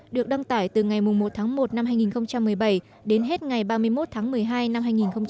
được đăng tải từ ngày một tháng một năm hai nghìn một mươi bảy đến hết ngày ba mươi một tháng một mươi hai năm hai nghìn một mươi tám